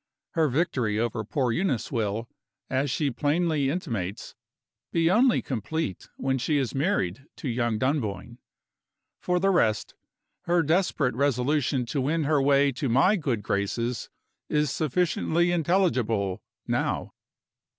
Her victory over poor Eunice will, as she plainly intimates, be only complete when she is married to young Dunboyne. For the rest, her desperate resolution to win her way to my good graces is sufficiently intelligible, now.